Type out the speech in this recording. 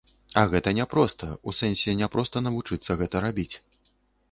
А гэта няпроста, у сэнсе няпроста навучыцца гэта рабіць.